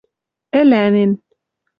ӹлянен